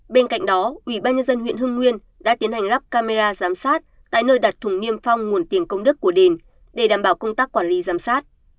bên cạnh đó ubnd huyện hưng nguyên đã tiến hành lắp camera giám sát tại nơi đặt thùng niêm phong nguồn tiền công đức của đền để đảm bảo công tác quản lý giám sát